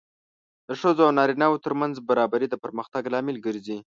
د ښځو او نارینه وو ترمنځ برابري د پرمختګ لامل ګرځي.